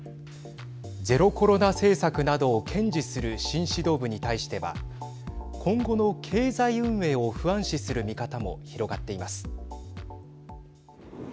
ゼロコロナ政策などを堅持する新指導部に対しては今後の経済運営を不安視する見方も広がっています。